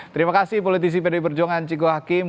terima kasih politisi pdb perjongan ciko hakim